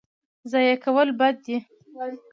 ضایع کول بد دی.